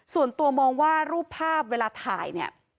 ส่วนตัวมองว่ารูปภาพเวลาถ่ายเนี่ย